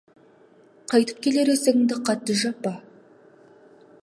Қайтып келер есігіңді қатты жаппа.